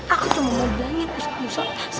aku cuma mau bilangin usah kamu juga berisi